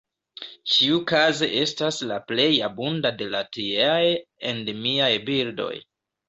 Ĉiukaze estas la plej abunda de la tieaj endemiaj birdoj.